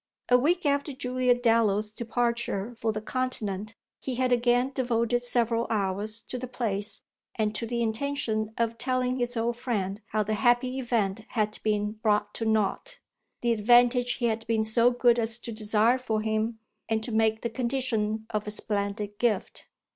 A week after Julia Dallow's departure for the Continent he had again devoted several hours to the place and to the intention of telling his old friend how the happy event had been brought to naught the advantage he had been so good as to desire for him and to make the condition of a splendid gift.